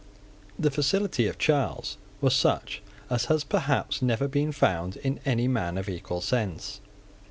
The facility of Charles was such as has perhaps never been found in any man of equal sense.